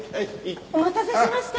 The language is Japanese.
お待たせしました！